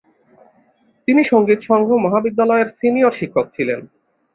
তিনি সংগীত সংঘ মহাবিদ্যালয়ের সিনিয়র শিক্ষক ছিলেন।